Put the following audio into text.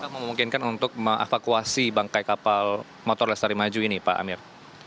memungkinkan untuk mengevakuasi bangkai kapal motor lestari maju ini pak amir